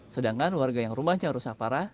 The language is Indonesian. sedangkan warga yang rumahnya rusak parah